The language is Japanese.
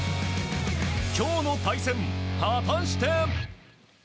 今日の対戦、果たして。